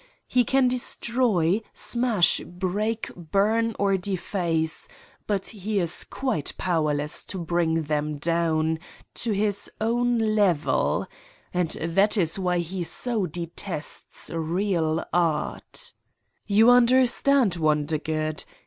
He can destroy, smash, break, burn or deface, but he is quite powerless to bring them down to his own level and that is why he so detests real art. 197 Satan's Diary You understand, Wondergood?